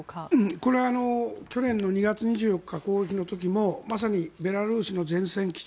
これは去年の２月２４日攻撃の時もまさにベラルーシの前線基地